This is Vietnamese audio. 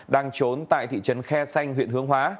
đang trốn tại thị trấn khe xanh huyện hướng hóa